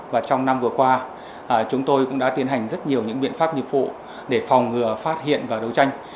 và trong năm vừa qua chúng tôi cũng đã tiến hành rất nhiều những biện pháp nghiệp vụ để phòng ngừa phát hiện và đấu tranh